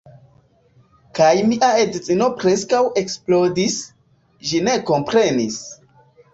Kaj mia edzino preskaŭ eksplodis, ĝi ne komprenis.